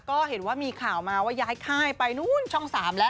ก็เห็นว่ามีข่าวมาว่าย้ายค่ายไปนู้นช่อง๓แล้ว